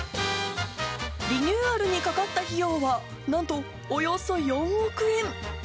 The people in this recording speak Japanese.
リニューアルにかかった費用は、なんとおよそ４億円。